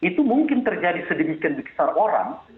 itu mungkin terjadi sedemikian dikisar orang tapi